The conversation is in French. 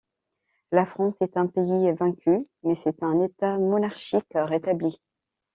La France est un pays vaincu, mais c'est un État monarchique rétabli.